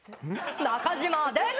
中島です。